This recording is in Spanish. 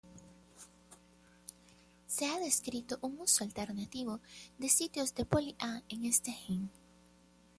Se ha descrito un uso alternativo de sitios de poli-A en este gen.